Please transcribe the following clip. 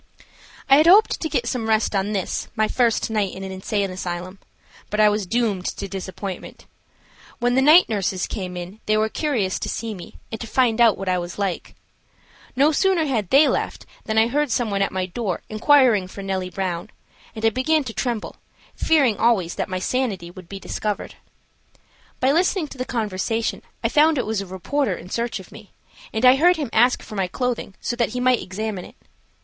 I had hoped to get some rest on this my first night in an insane asylum. But I was doomed to disappointment. When the night nurses came in they were curious to see me and to find out what I was like. No sooner had they left than I heard some one at my door inquiring for Nellie Brown, and I began to tremble, fearing always that my sanity would be discovered. By listening to the conversation I found it was a reporter in search of me, and I heard him ask for my clothing so that he might examine it.